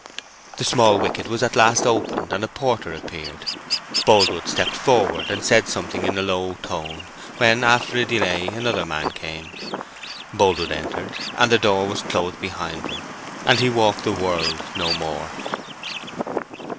The small wicket at last opened, and a porter appeared. Boldwood stepped forward, and said something in a low tone, when, after a delay, another man came. Boldwood entered, and the door was closed behind him, and he walked the world no more.